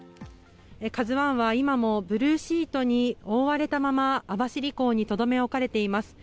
「ＫＡＺＵ１」は今もブルーシートに覆われたまま網走港にとどめ置かれています。